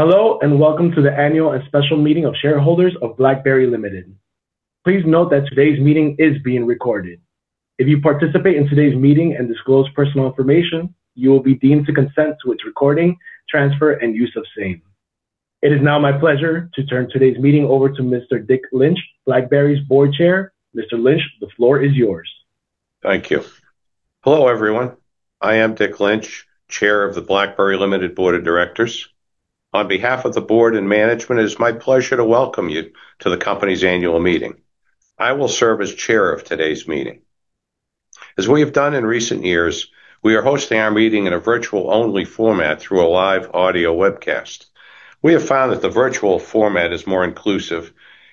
Hello. Welcome to the annual and special meeting of shareholders of BlackBerry Limited. Please note that today's meeting is being recorded. If you participate in today's meeting and disclose personal information, you will be deemed to consent to its recording, transfer, and use of same. It is now my pleasure to turn today's meeting over to Mr. Dick Lynch, BlackBerry's Board Chair. Mr. Lynch, the floor is yours. Thank you. Hello, everyone. I am Dick Lynch, Chair of the BlackBerry Limited Board of Directors. On behalf of the Board and management, it is my pleasure to welcome you to the company's annual meeting. I will serve as Chair of today's meeting. As we have done in recent years, we are hosting our meeting in a virtual-only format through a live audio webcast. We have found that the virtual format is more inclusive.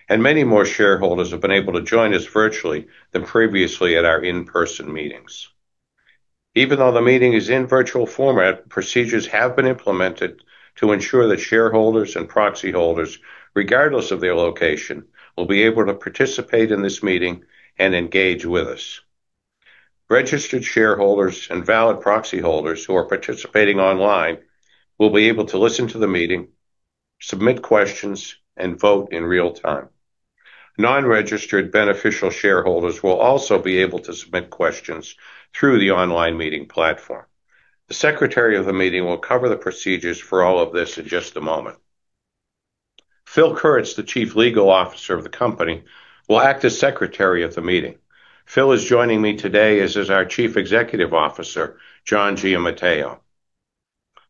Many more shareholders have been able to join us virtually than previously at our in-person meetings. Even though the meeting is in virtual format, procedures have been implemented to ensure that shareholders and proxy holders, regardless of their location, will be able to participate in this meeting and engage with us. Registered shareholders and valid proxy holders who are participating online will be able to listen to the meeting, submit questions, and vote in real time. Non-registered beneficial shareholders will also be able to submit questions through the online meeting platform. The Secretary of the meeting will cover the procedures for all of this in just a moment. Phil Kurtz, the Chief Legal Officer of the company, will act as Secretary of the meeting. Phil is joining me today, as is our Chief Executive Officer, John Giamatteo.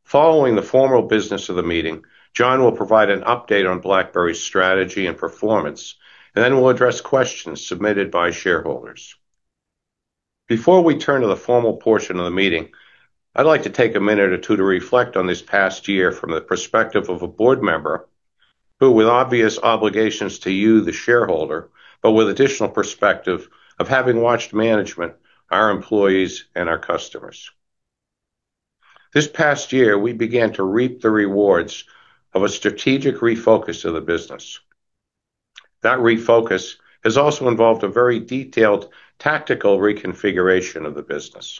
Following the formal business of the meeting, John will provide an update on BlackBerry's strategy and performance. Then we'll address questions submitted by shareholders. Before we turn to the formal portion of the meeting, I'd like to take a minute or two to reflect on this past year from the perspective of a Board member who, with obvious obligations to you, the shareholder, but with additional perspective of having watched management, our employees, and our customers. This past year, we began to reap the rewards of a strategic refocus of the business. That refocus has also involved a very detailed tactical reconfiguration of the business.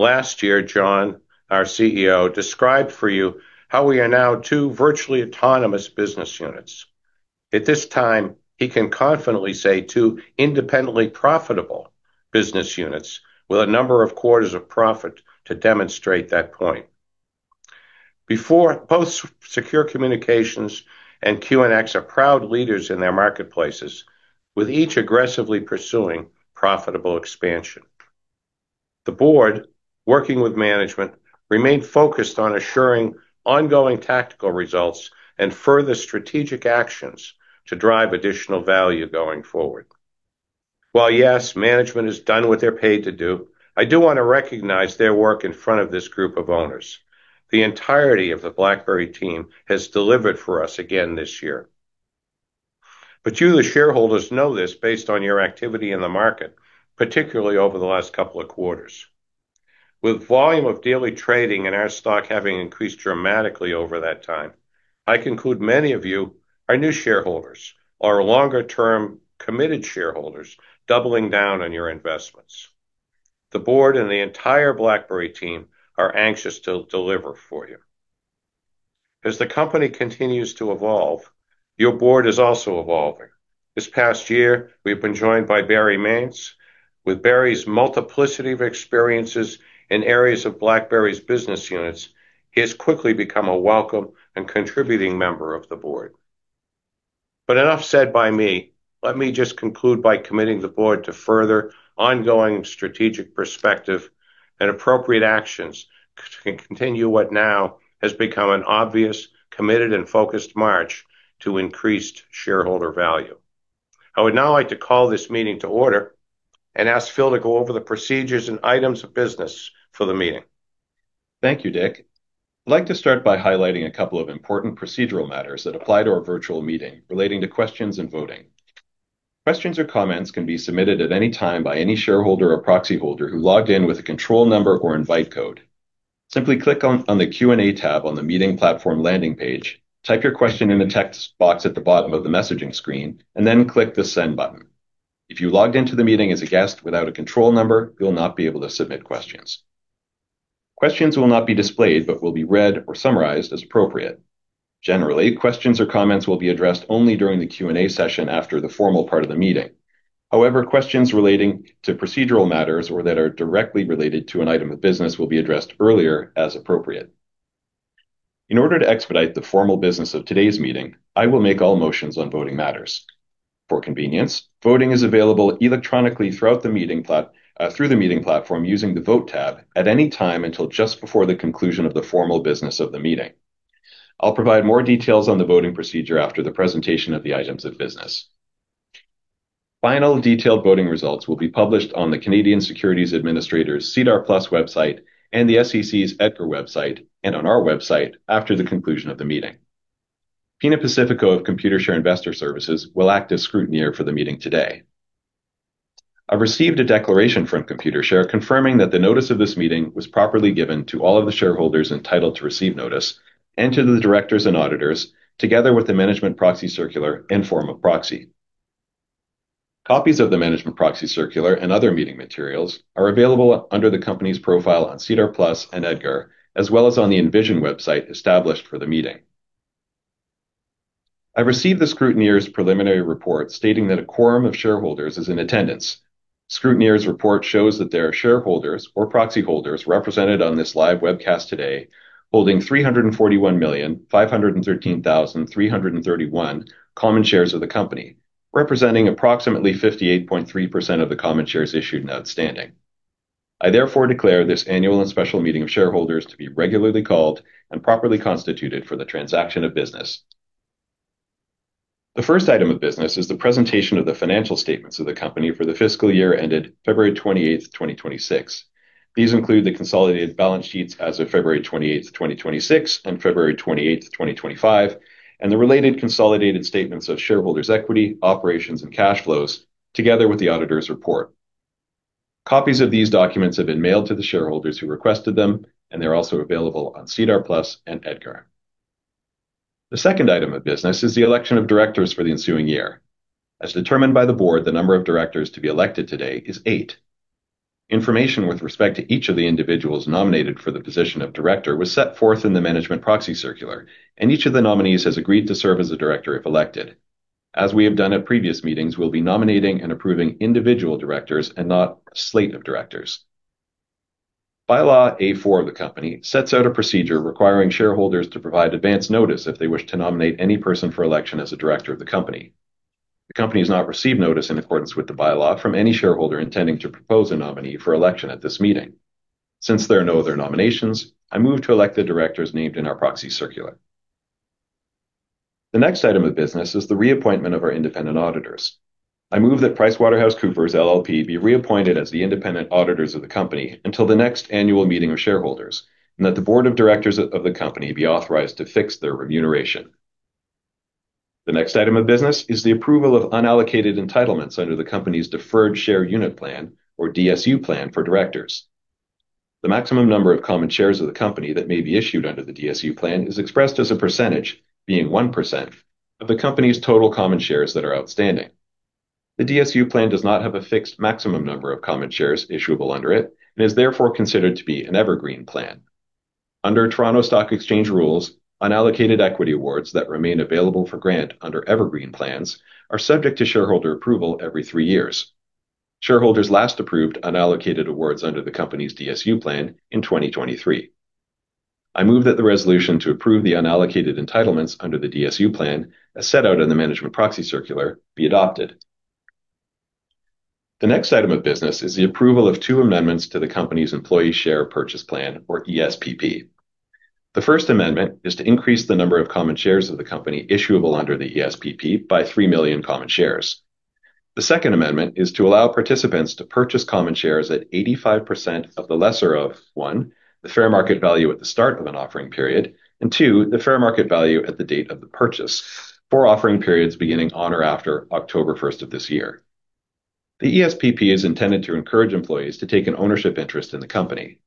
Last year, John, our CEO, described for you how we are now two virtually autonomous business units. At this time, he can confidently say two independently profitable business units with a number of quarters of profit to demonstrate that point. Both Secure Communications and QNX are proud leaders in their marketplaces, with each aggressively pursuing profitable expansion. The board, working with management, remained focused on assuring ongoing tactical results and further strategic actions to drive additional value going forward. While yes, management has done what they're paid to do, I do want to recognize their work in front of this group of owners. The entirety of the BlackBerry team has delivered for us again this year. You, the shareholders, know this based on your activity in the market, particularly over the last couple of quarters. With volume of daily trading in our stock having increased dramatically over that time, I conclude many of you are new shareholders or longer-term, committed shareholders doubling down on your investments. The board and the entire BlackBerry team are anxious to deliver for you. As the company continues to evolve, your board is also evolving. This past year, we've been joined by Barry Mainz. With Barry's multiplicity of experiences in areas of BlackBerry's business units, he has quickly become a welcome and contributing member of the board. Enough said by me. Let me just conclude by committing the board to further ongoing strategic perspective and appropriate actions to continue what now has become an obvious, committed, and focused march to increased shareholder value. I would now like to call this meeting to order and ask Phil to go over the procedures and items of business for the meeting. Thank you, Dick. I'd like to start by highlighting a couple of important procedural matters that apply to our virtual meeting relating to questions and voting. Questions or comments can be submitted at any time by any shareholder or proxy holder who logged in with a control number or invite code. Simply click on the Q&A tab on the meeting platform landing page, type your question in the text box at the bottom of the messaging screen, and then click the send button. If you logged into the meeting as a guest without a control number, you'll not be able to submit questions. Questions will not be displayed but will be read or summarized as appropriate. Generally, questions or comments will be addressed only during the Q&A session after the formal part of the meeting. However, questions relating to procedural matters or that are directly related to an item of business will be addressed earlier as appropriate. In order to expedite the formal business of today's meeting, I will make all motions on voting matters. For convenience, voting is available electronically through the meeting platform using the vote tab at any time until just before the conclusion of the formal business of the meeting. I'll provide more details on the voting procedure after the presentation of the items of business. Final detailed voting results will be published on the Canadian Securities Administrators' SEDAR+ website and the SEC's EDGAR website, and on our website after the conclusion of the meeting. Pina Pacifico of Computershare Investor Services will act as scrutineer for the meeting today. I've received a declaration from Computershare confirming that the notice of this meeting was properly given to all of the shareholders entitled to receive notice and to the directors and auditors, together with the management proxy circular and form of proxy. Copies of the management proxy circular and other meeting materials are available under the company's profile on SEDAR+ and EDGAR, as well as on the Envision website established for the meeting. I received the scrutineer's preliminary report stating that a quorum of shareholders is in attendance. Scrutineer's report shows that there are shareholders or proxy holders represented on this live webcast today holding 341,513,331 common shares of the company, representing approximately 58.3% of the common shares issued and outstanding. I therefore declare this annual and special meeting of shareholders to be regularly called and properly constituted for the transaction of business. The first item of business is the presentation of the financial statements of the company for the fiscal year ended February 28th, 2026. These include the consolidated balance sheets as of February 28th, 2026 and February 28th, 2025, and the related consolidated statements of shareholders' equity, operations, and cash flows together with the auditor's report. Copies of these documents have been mailed to the shareholders who requested them, and they're also available on SEDAR+ and EDGAR. The second item of business is the election of directors for the ensuing year. As determined by the board, the number of directors to be elected today is eight. Information with respect to each of the individuals nominated for the position of director was set forth in the management proxy circular, and each of the nominees has agreed to serve as a director, if elected. As we have done at previous meetings, we'll be nominating and approving individual directors and not a slate of directors. By-law A4 of the company sets out a procedure requiring shareholders to provide advance notice if they wish to nominate any person for election as a director of the company. The company has not received notice in accordance with the by-law from any shareholder intending to propose a nominee for election at this meeting. Since there are no other nominations, I move to elect the directors named in our proxy circular. The next item of business is the reappointment of our independent auditors. I move that PricewaterhouseCoopers LLP be reappointed as the independent auditors of the company until the next annual meeting of shareholders, and that the board of directors of the company be authorized to fix their remuneration. The next item of business is the approval of unallocated entitlements under the company's deferred share unit plan, or DSU plan, for directors. The maximum number of common shares of the company that may be issued under the DSU plan is expressed as a percentage, being 1%, of the company's total common shares that are outstanding. The DSU plan does not have a fixed maximum number of common shares issuable under it, and is therefore considered to be an evergreen plan. Under Toronto Stock Exchange rules, unallocated equity awards that remain available for grant under evergreen plans are subject to shareholder approval every three years. Shareholders last approved unallocated awards under the company's DSU plan in 2023. I move that the resolution to approve the unallocated entitlements under the DSU plan, as set out in the management proxy circular, be adopted. The next item of business is the approval of two amendments to the company's employee share purchase plan, or ESPP. The first amendment is to increase the number of common shares of the company issuable under the ESPP by 3 million common shares. The second amendment is to allow participants to purchase common shares at 85% of the lesser of, one, the fair market value at the start of an offering period, and two, the fair market value at the date of the purchase, for offering periods beginning on or after October 1st of this year. The ESPP is intended to encourage employees to take an ownership interest in the company.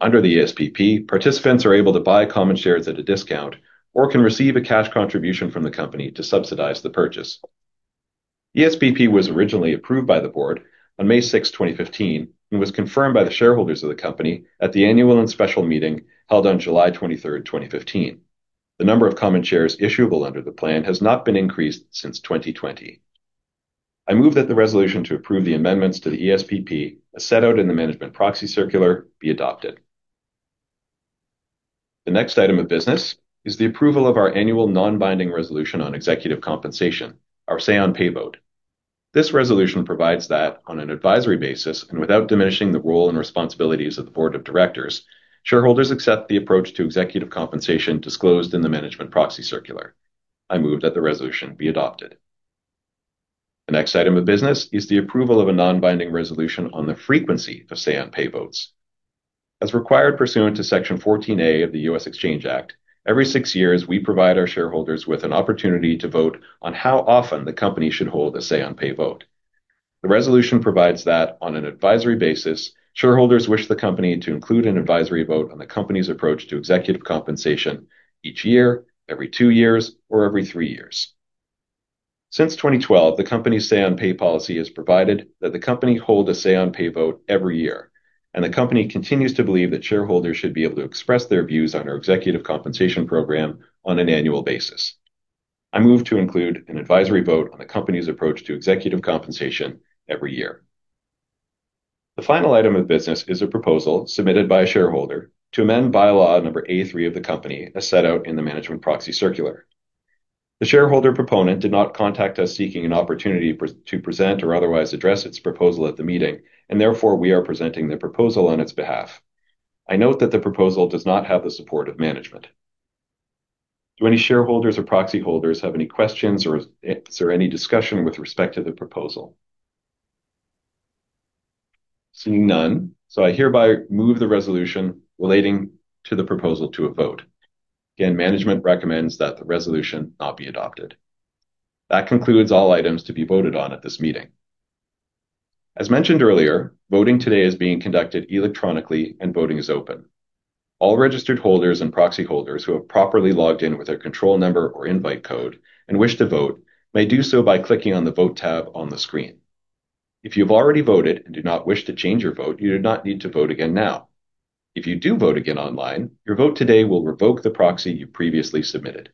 Under the ESPP, participants are able to buy common shares at a discount or can receive a cash contribution from the company to subsidize the purchase. ESPP was originally approved by the board on May 6th, 2015, and was confirmed by the shareholders of the company at the annual and special meeting held on July 23rd, 2015. The number of common shares issuable under the plan has not been increased since 2020. I move that the resolution to approve the amendments to the ESPP, as set out in the management proxy circular, be adopted. The next item of business is the approval of our annual non-binding resolution on executive compensation, our say on pay vote. This resolution provides that on an advisory basis and without diminishing the role and responsibilities of the board of directors, shareholders accept the approach to executive compensation disclosed in the management proxy circular. I move that the resolution be adopted. The next item of business is the approval of a non-binding resolution on the frequency of say on pay votes. As required pursuant to Section 14A of the U.S. Exchange Act, every six years, we provide our shareholders with an opportunity to vote on how often the company should hold a say on pay vote. The resolution provides that on an advisory basis, shareholders wish the company to include an advisory vote on the company's approach to executive compensation each year, every two years, or every three years. Since 2012, the company's say on pay policy has provided that the company hold a say on pay vote every year, and the company continues to believe that shareholders should be able to express their views on our executive compensation program on an annual basis. I move to include an advisory vote on the company's approach to executive compensation every year. The final item of business is a proposal submitted by a shareholder to amend by-law number A3 of the company, as set out in the management proxy circular. The shareholder proponent did not contact us seeking an opportunity to present or otherwise address its proposal at the meeting. Therefore, we are presenting the proposal on its behalf. I note that the proposal does not have the support of management. Do any shareholders or proxy holders have any questions, or is there any discussion with respect to the proposal? Seeing none, I hereby move the resolution relating to the proposal to a vote. Again, management recommends that the resolution not be adopted. That concludes all items to be voted on at this meeting. As mentioned earlier, voting today is being conducted electronically and voting is open. All registered holders and proxy holders who have properly logged in with their control number or invite code and wish to vote may do so by clicking on the Vote tab on the screen. If you've already voted and do not wish to change your vote, you do not need to vote again now. If you do vote again online, your vote today will revoke the proxy you previously submitted.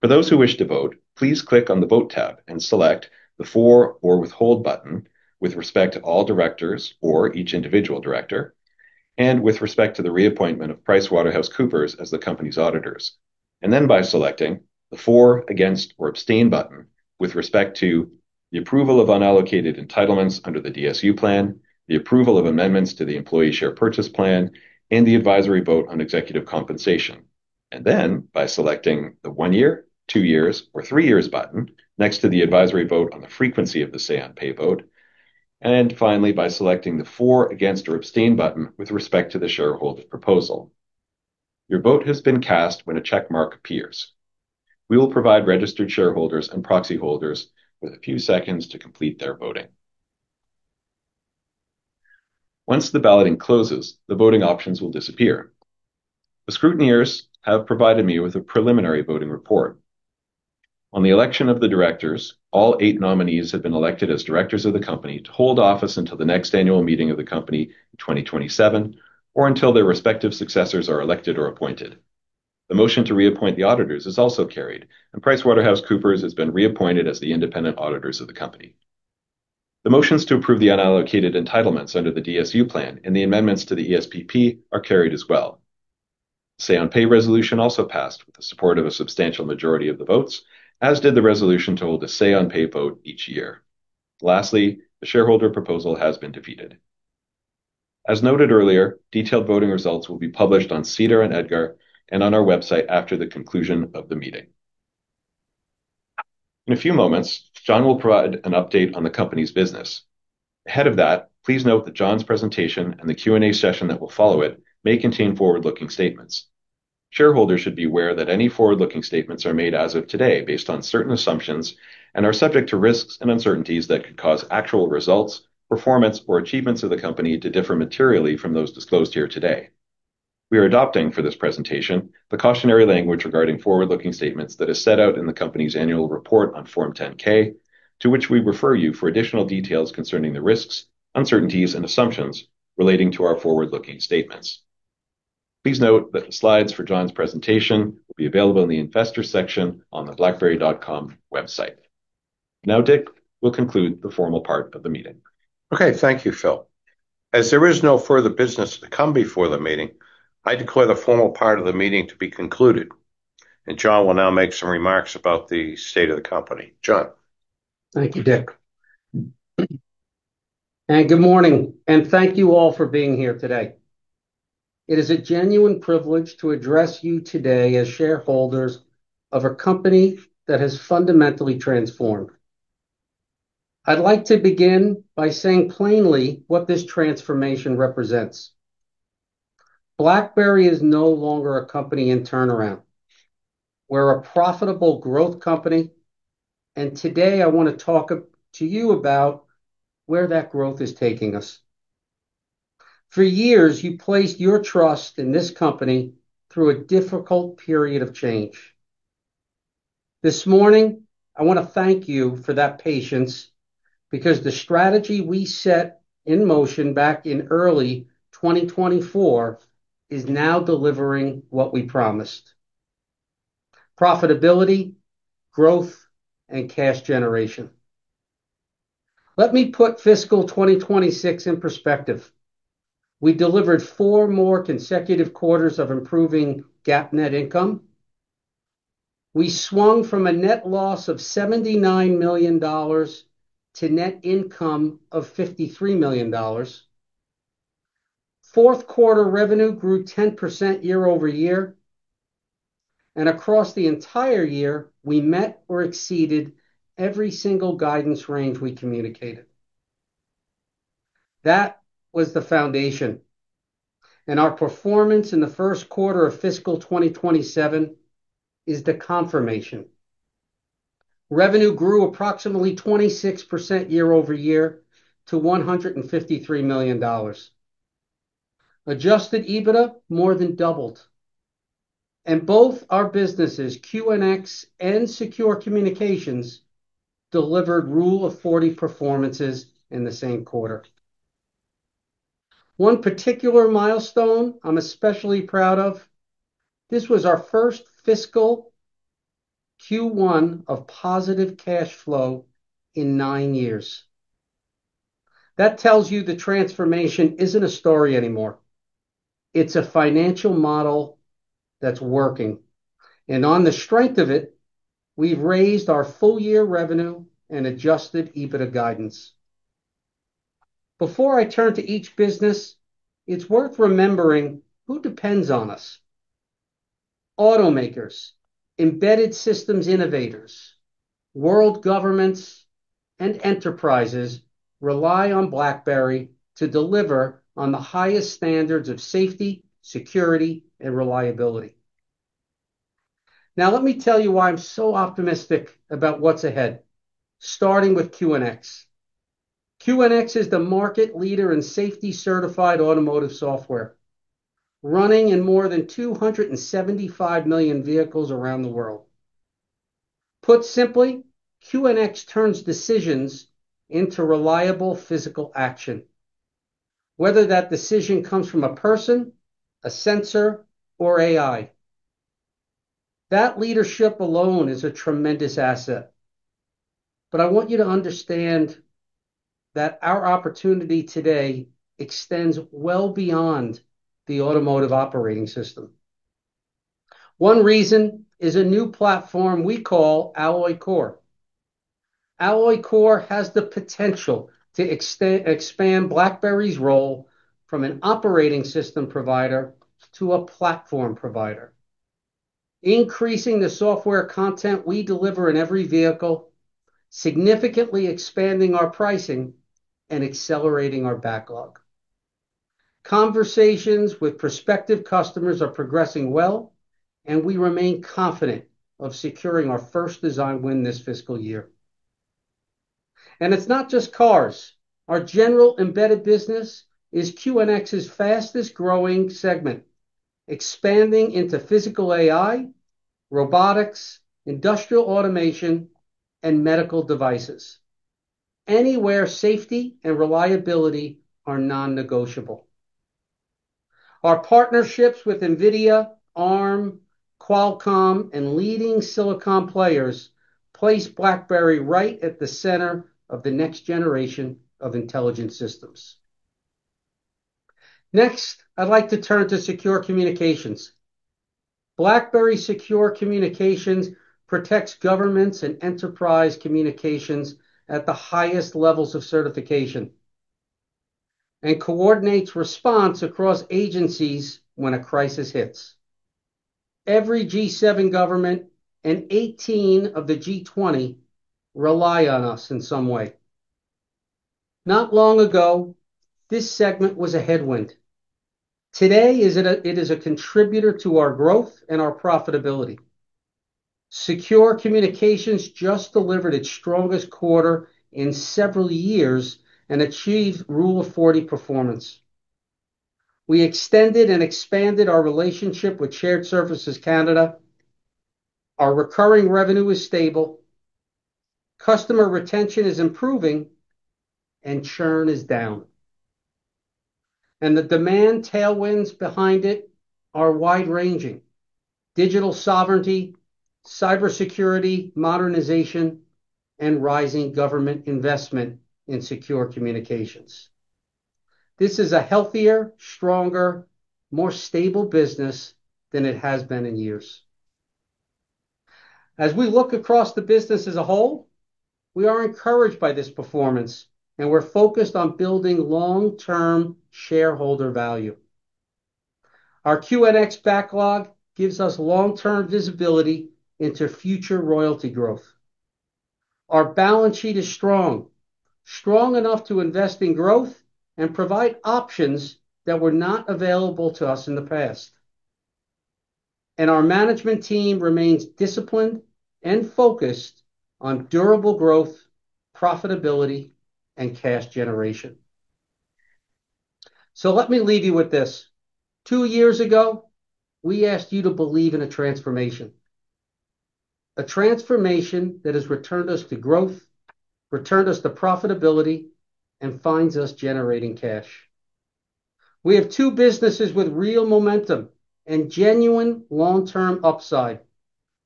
For those who wish to vote, please click on the Vote tab and select the For or Withhold button with respect to all directors or each individual director, and with respect to the reappointment of PricewaterhouseCoopers as the company's auditors. By selecting the For, Against, or Abstain button with respect to the approval of unallocated entitlements under the DSU plan, the approval of amendments to the employee share purchase plan, and the advisory vote on executive compensation. By selecting the one year, two years, or three years button next to the advisory vote on the frequency of the say on pay vote. Finally, by selecting the For, Against, or Abstain button with respect to the shareholder proposal. Your vote has been cast when a check mark appears. We will provide registered shareholders and proxy holders with a few seconds to complete their voting. Once the balloting closes, the voting options will disappear. The scrutineers have provided me with a preliminary voting report. On the election of the directors, all eight nominees have been elected as directors of the company to hold office until the next annual meeting of the company in 2027, or until their respective successors are elected or appointed. The motion to reappoint the auditors is also carried, and PricewaterhouseCoopers has been reappointed as the independent auditors of the company. The motions to approve the unallocated entitlements under the DSU plan and the amendments to the ESPP are carried as well. Say on Pay resolution also passed with the support of a substantial majority of the votes, as did the resolution to hold a Say on Pay vote each year. Lastly, the shareholder proposal has been defeated. As noted earlier, detailed voting results will be published on SEDAR and EDGAR and on our website after the conclusion of the meeting. In a few moments, John will provide an update on the company's business. Ahead of that, please note that John's presentation and the Q&A session that will follow it may contain forward-looking statements. Shareholders should be aware that any forward-looking statements are made as of today based on certain assumptions and are subject to risks and uncertainties that could cause actual results, performance, or achievements of the company to differ materially from those disclosed here today. We are adopting, for this presentation, the cautionary language regarding forward-looking statements that is set out in the company's annual report on Form 10-K, to which we refer you for additional details concerning the risks, uncertainties, and assumptions relating to our forward-looking statements. Please note that the slides for John's presentation will be available in the Investors section on the blackberry.com website. Dick will conclude the formal part of the meeting. Okay. Thank you, Phil. As there is no further business to come before the meeting, I declare the formal part of the meeting to be concluded, and John will now make some remarks about the state of the company. John. Thank you, Dick. Good morning, and thank you all for being here today. It is a genuine privilege to address you today as shareholders of a company that has fundamentally transformed. I'd like to begin by saying plainly what this transformation represents. BlackBerry is no longer a company in turnaround. We're a profitable growth company, and today I want to talk to you about where that growth is taking us. For years, you placed your trust in this company through a difficult period of change. This morning, I want to thank you for that patience, because the strategy we set in motion back in early 2024 is now delivering what we promised: profitability, growth, and cash generation. Let me put fiscal 2026 in perspective. We delivered four more consecutive quarters of improving GAAP net income. We swung from a net loss of $79 million to net income of $53 million. Fourth quarter revenue grew 10% year-over-year. Across the entire year, we met or exceeded every single guidance range we communicated. That was the foundation, and our performance in the first quarter of fiscal 2027 is the confirmation. Revenue grew approximately 26% year-over-year to $153 million. Adjusted EBITDA more than doubled. Both our businesses, QNX and Secure Communications, delivered Rule of 40 performances in the same quarter. One particular milestone I'm especially proud of, this was our first fiscal Q1 of positive cash flow in nine years. That tells you the transformation isn't a story anymore. It's a financial model that's working. On the strength of it, we've raised our full year revenue and adjusted EBITDA guidance. Before I turn to each business, it's worth remembering who depends on us. Automakers, embedded systems innovators, world governments, and enterprises rely on BlackBerry to deliver on the highest standards of safety, security, and reliability. Let me tell you why I'm so optimistic about what's ahead, starting with QNX. QNX is the market leader in safety certified automotive software, running in more than 275 million vehicles around the world. Put simply, QNX turns decisions into reliable physical action, whether that decision comes from a person, a sensor, or AI. That leadership alone is a tremendous asset. I want you to understand that our opportunity today extends well beyond the automotive operating system. One reason is a new platform we call Alloy Core. Alloy Core has the potential to expand BlackBerry's role from an operating system provider to a platform provider, increasing the software content we deliver in every vehicle, significantly expanding our pricing, and accelerating our backlog. Conversations with prospective customers are progressing well, and we remain confident of securing our first design win this fiscal year. It's not just cars. Our general embedded business is QNX's fastest-growing segment, expanding into physical AI, robotics, industrial automation, and medical devices, anywhere safety and reliability are non-negotiable. Our partnerships with NVIDIA, Arm, Qualcomm, and leading silicon players place BlackBerry right at the center of the next generation of intelligent systems. I'd like to turn to Secure Communications. BlackBerry Secure Communications protects governments and enterprise communications at the highest levels of certification and coordinates response across agencies when a crisis hits. Every G7 government and 18 of the G20 rely on us in some way. Not long ago, this segment was a headwind. Today, it is a contributor to our growth and our profitability. Secure Communications just delivered its strongest quarter in several years and achieved Rule of 40 performance. We extended and expanded our relationship with Shared Services Canada. Our recurring revenue is stable. Customer retention is improving, and churn is down. The demand tailwinds behind it are wide-ranging: digital sovereignty, cybersecurity, modernization, and rising government investment in secure communications. This is a healthier, stronger, more stable business than it has been in years. As we look across the business as a whole, we are encouraged by this performance, and we're focused on building long-term shareholder value. Our QNX backlog gives us long-term visibility into future royalty growth. Our balance sheet is strong enough to invest in growth and provide options that were not available to us in the past. Our management team remains disciplined and focused on durable growth, profitability, and cash generation. Let me leave you with this. Two years ago, we asked you to believe in a transformation, a transformation that has returned us to growth, returned us to profitability, and finds us generating cash. We have two businesses with real momentum and genuine long-term upside,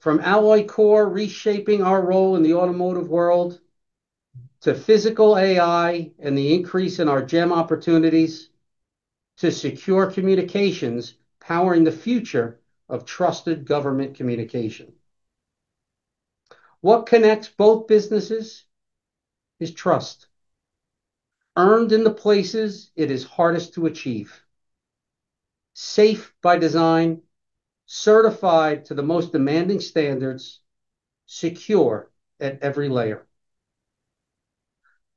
from Alloy Core reshaping our role in the automotive world, to physical AI and the increase in our GEM opportunities, to secure communications powering the future of trusted government communication. What connects both businesses is trust, earned in the places it is hardest to achieve. Safe by design, certified to the most demanding standards, secure at every layer.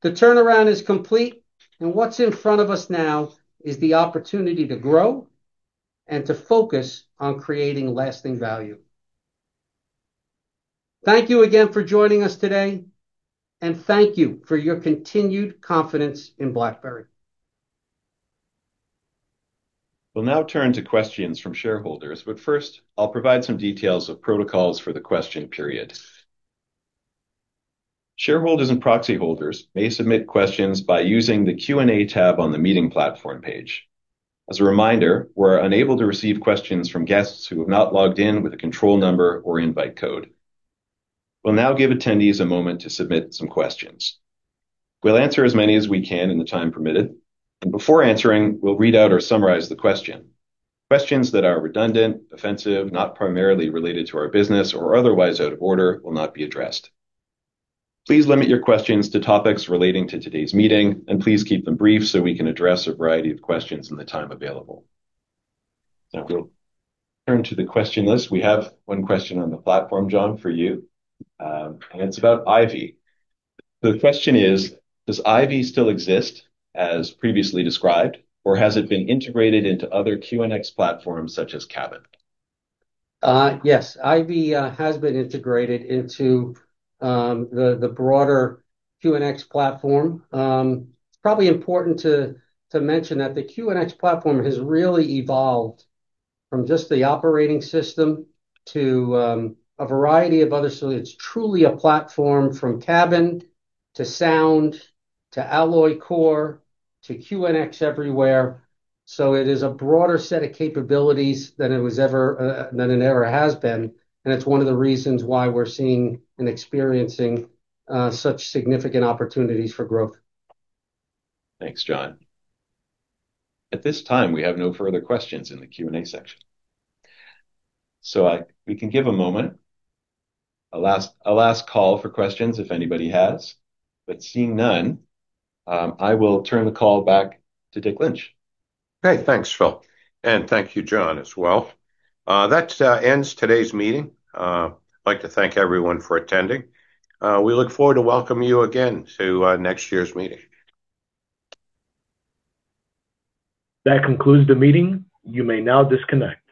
The turnaround is complete, and what's in front of us now is the opportunity to grow and to focus on creating lasting value. Thank you again for joining us today, and thank you for your continued confidence in BlackBerry. I'll now turn the questions from shareholders but first, I'll provide some details of protocols for the question period. Shareholders and proxy holders may submit questions by using the Q&A tab on the meeting platform page. As a reminder, we're unable to receive questions from guests who have not logged in with a control number or invite code. We'll now give attendees a moment to submit some questions. We'll answer as many as we can in the time permitted. Before answering, we'll read out or summarize the question. Questions that are redundant, offensive, not primarily related to our business, or otherwise out of order will not be addressed. Please limit your questions to topics relating to today's meeting. Please keep them brief so we can address a variety of questions in the time available. We'll turn to the question list. We have one question on the platform, John, for you. It's about IVY. The question is: Does IVY still exist as previously described, or has it been integrated into other QNX platforms such as Cabin? Yes. IVY has been integrated into the broader QNX platform. It's probably important to mention that the QNX platform has really evolved from just the operating system to a variety of others. It's truly a platform from Cabin to Sound, to Alloy Core to QNX Everywhere. It is a broader set of capabilities than it ever has been. It's one of the reasons why we're seeing and experiencing such significant opportunities for growth. Thanks, John. At this time, we have no further questions in the Q&A section. We can give a moment, a last call for questions if anybody has. Seeing none, I will turn the call back to Dick Lynch. Great. Thanks, Phil. Thank you, John, as well. That ends today's meeting. I'd like to thank everyone for attending. We look forward to welcome you again to next year's meeting. That concludes the meeting. You may now disconnect.